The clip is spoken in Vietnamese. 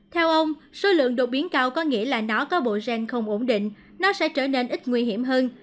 theo ông số lượng đột biến cao có nghĩa là nó có bộ gen không ổn định nó sẽ trở nên ít nguy hiểm hơn